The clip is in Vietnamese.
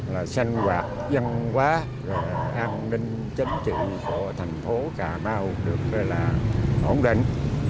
là sanh hoạt dân hóa an ninh chất trị của thành phố cà mau được là ổn định